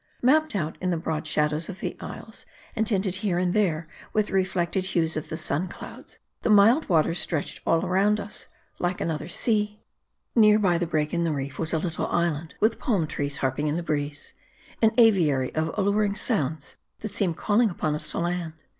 Mapped out in the broad shadows of the isles, and tinted here and there with the reflected hues of the sun clouds, the mild waters stretched all around us like another sky. Near by the break in the reef, was a little island, with palm trees harping in the breeze ; an aviary of alluring sounds, that seemed calling upon us to land.